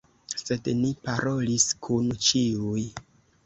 Sed ni parolis kun ĉiuj.